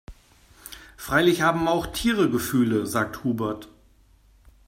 Freilich haben auch Tiere Gefühle, sagt Hubert.